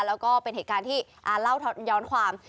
แล้วก็เป็นเหตุการณ์ที่เล่าย้อนความ